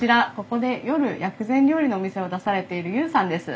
ここで夜薬膳料理のお店を出されている悠さんです。